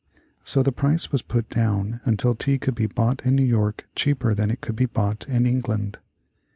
So the price was put down until tea could be bought in New York cheaper than it could be bought in England.